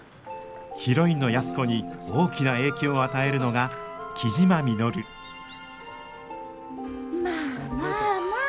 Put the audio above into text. ヒロインの安子に大きな影響を与えるのが雉真稔まあまあまあ。